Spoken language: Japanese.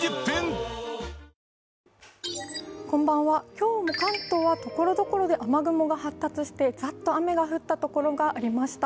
今日も関東はところどころで雨雲が発達して、ザッと雨が降ったところがありました。